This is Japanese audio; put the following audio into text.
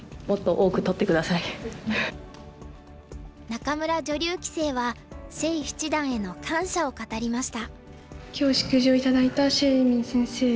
仲邑女流棋聖は謝七段への感謝を語りました。